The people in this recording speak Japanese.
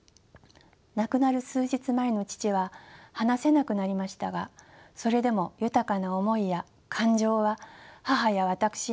亡くなる数日前の父は話せなくなりましたがそれでも豊かな思いや感情は母や私に伝わってきました。